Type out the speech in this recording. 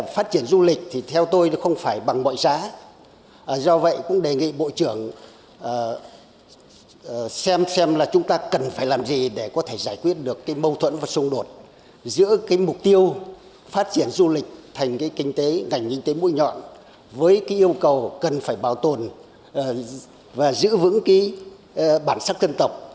phát triển du lịch thì theo tôi nó không phải bằng mọi giá do vậy cũng đề nghị bộ trưởng xem xem là chúng ta cần phải làm gì để có thể giải quyết được cái mâu thuẫn và xung đột giữa cái mục tiêu phát triển du lịch thành cái kinh tế ngành kinh tế mũi nhọn với cái yêu cầu cần phải bảo tồn và giữ vững cái bản sắc dân tộc